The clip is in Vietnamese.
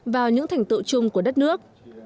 vào những thành tựu chung của đất nước